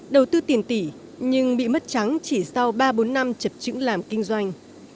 đầu tư tiền tỷ nhưng bị mất trắng chỉ sau ba bốn năm chập trứng làm kinh doanh